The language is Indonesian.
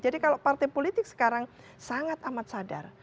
jadi kalau partai politik sekarang sangat amat sadar